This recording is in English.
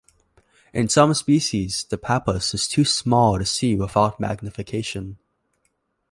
In some species, the pappus is too small to see without magnification.